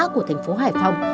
của thành phố hải phòng